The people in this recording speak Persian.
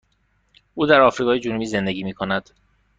او در آفریقای جنوبی زندگی می کند.